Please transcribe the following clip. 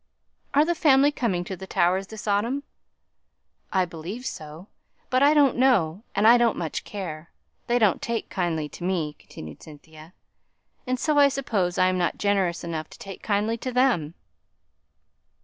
"Are the family coming to the Towers this autumn?" "I believe so. But I don't know, and I don't much care. They don't take kindly to me," continued Cynthia, "and so I suppose I'm not generous enough to take kindly to them."